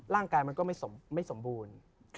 ร่างกายมันก็ไม่สมบูรณ์